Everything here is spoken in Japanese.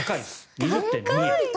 ２０．２円。